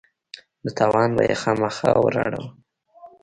نو تاوان به يې خامخا وراړاوه.